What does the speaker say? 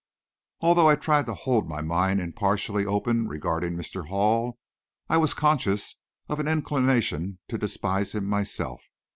Although I tried to hold my mind impartially open regarding Mr. Hall, I was conscious of an inclination to despise him myself.